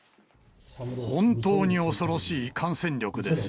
本当に恐ろしい感染力です。